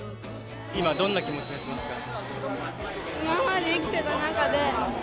今どんな気持ちがしますか？